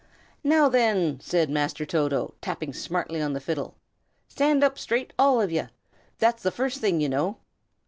"Now, then," said Master Toto, tapping smartly on the fiddle. "Stand up straight, all of you! That's the first thing, you know."